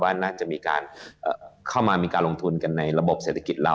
ว่าน่าจะมีการเข้ามามีการลงทุนกันในระบบเศรษฐกิจเรา